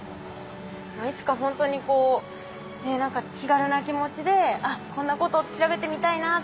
いつかほんとにこう何か気軽な気持ちであっこんなことを調べてみたいなっていう。